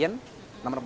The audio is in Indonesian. ini juga mbak boleh